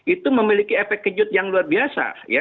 itu memiliki efek kejut yang luar biasa